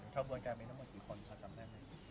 ขบวนการมีทั้งหมดกี่คนค่ะจำได้ไหม